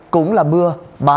cũng là mưa